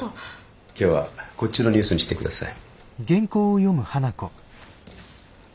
今日はこっちのニュースにして下さい。